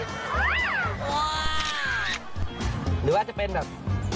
หรือว่าจะเป็นแบบ